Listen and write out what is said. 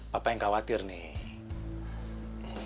papa yang khawatir nih